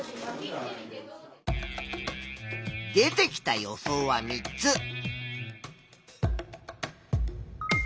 出てきた予想は３つ。